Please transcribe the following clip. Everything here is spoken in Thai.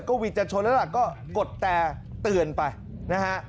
ก็วิจัดชนแล้วก็กดแต่เตือนไปนะฮะ